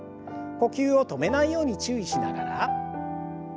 呼吸を止めないように注意しながら。